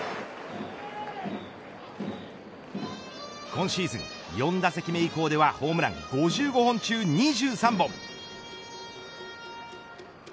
今シーズン４打席目以降ではホームラン５５本中２３本。